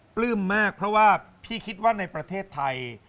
ปลื้มมากเพราะว่าพี่คิดว่าในประเทศไทย